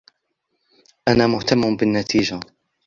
أن مهتم بالنتيجة.